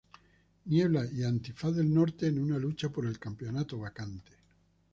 Niebla y Antifaz del Norte en una lucha por el campeonato vacante.